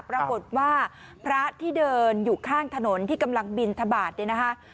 ปรากฏว่าพระที่เดินอยู่ข้างถนนที่กำลังบินทบาทเนี่ยนะคะ